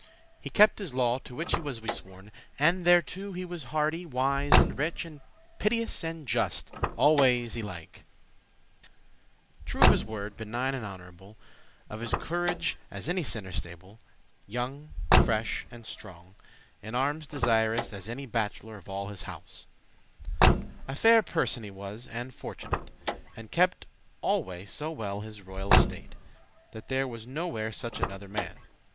He kept his law to which he was y sworn, And thereto* he was hardy, wise, and rich, *moreover, besides And piteous and just, always y lich;* *alike, even tempered True of his word, benign and honourable; *Of his corage as any centre stable;* *firm, immovable of spirit* Young, fresh, and strong, in armes desirous As any bachelor of all his house. A fair person he was, and fortunate, And kept alway so well his royal estate, That there was nowhere such another man.